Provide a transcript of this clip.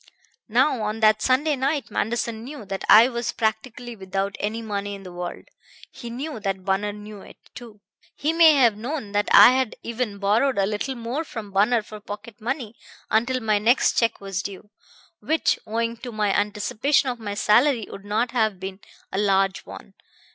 "Now on that Sunday night Manderson knew that I was practically without any money in the world. He knew that Bunner knew it, too. He may have known that I had even borrowed a little more from Bunner for pocket money until my next check was due, which, owing to my anticipation of my salary, would not have been a large one.